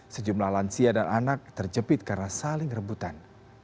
sejumlah lansia dan anak terjepit karena saling rebutan